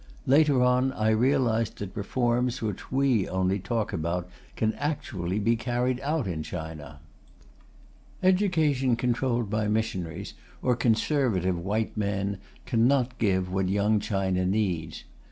Later on I realized that reforms which we only talk about can be actually carried out in China. Education controlled by missionaries or conservative white men cannot give what Young China needs.